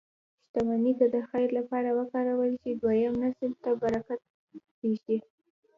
شتمني که د خیر لپاره وکارول شي، دویم نسل ته برکت پرېږدي.